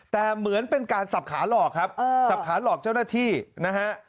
แต่เหมือนเป็นการสับขาหลอกครับสับขาหลอกเจ้าหน้าที่นะฮะ